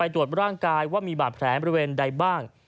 ตรวจร่างกายว่ามีบาดแผลบริเวณใดบ้าง